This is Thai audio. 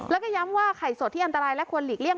แล้วก็ย้ำว่าไข่สดที่อันตรายและควรหลีกเลี่ย